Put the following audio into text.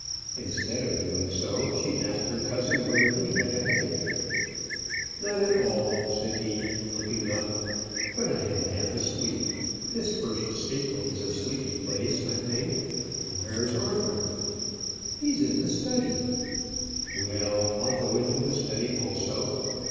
Instead of doing so, she asked her cousin whether he had a headache? "Not at all," said he, looking up; "but I am half asleep. This Hurst Staple is a sleepy place, I think. Where's Arthur?" "He's in the study." "Well, I'll go into the study also.